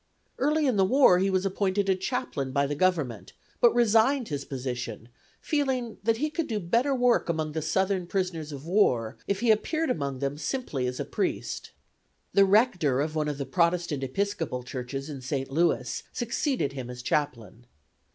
Early in the war he was appointed a chaplain by the Government, but resigned his position, feeling that he could do better work among the Southern prisoners of war if he appeared among them simply as a priest. The rector of one of the Protestant Episcopal churches in St. Louis succeeded him as chaplain.